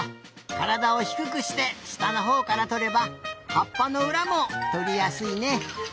からだをひくくしてしたのほうからとればはっぱのうらもとりやすいね。